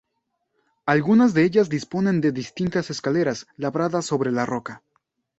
Algunas de ellas disponen de distintas escaleras, labradas sobre la roca.